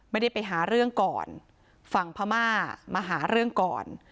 ไม่ได้ไปหาเรื่องก่อนฝั่งพม่ามาหาเรื่องก่อน